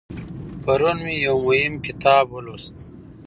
پرون مې یو مهم کتاب ولوست.